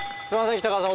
北川さん。